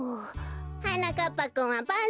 はなかっぱくんはばん